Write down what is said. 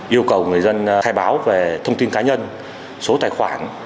yêu cầu người dân khai báo về thông tin cá nhân số tài khoản